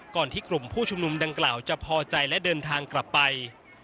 ที่กลุ่มผู้ชุมนุมดังกล่าวจะพอใจและเดินทางกลับไป